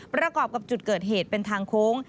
ประกอบกับจุดเกิดเหตุเป็นทางโค้ง